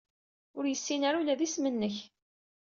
Ur yessin ara ula d isem-nnek.